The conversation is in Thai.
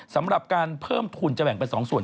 สำหรับการเพิ่มทุนจะแบ่งเป็น๒ส่วน